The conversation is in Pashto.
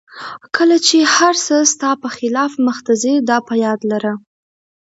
کله چې هر څه ستا په خلاف مخته ځي دا په یاد لره.